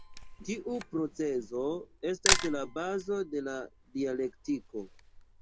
Tiu procezo estas la bazo de la dialektiko.